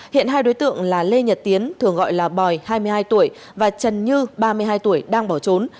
hiện hai đối tượng là lê nhật tiến thường gọi là bòi hai mươi hai tuổi và trần như ba mươi hai tuổi đang bỏ trốn